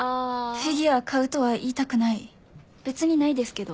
フィギュア買うとは言いたくない別にないですけど。